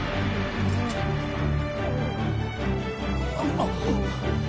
あっ！